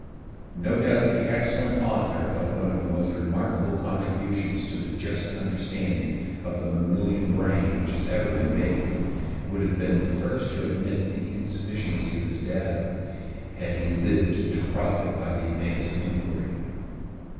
No doubt, the excellent author of one of the most remarkable contributions to the just understanding of the mammalian brain which has ever been made, would have been the first to admit the insufficiency of his data had he lived to profit by the advance of inquiry.